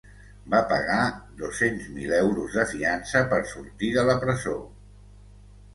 Va pagar dos-cents mil euros de fiança per sortir de la presó.